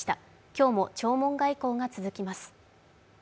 今日も弔問外交が続きます。